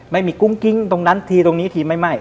ไม่มีกุ้งกิ้งตรงนั้นทีตรงนี้ทีไม่